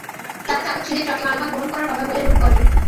তাঁরা চালক সেজে ট্রাকে মালামাল বহন করার কথা বলে লুট করেন।